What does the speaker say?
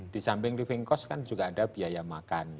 disamping living cost kan juga ada biaya makan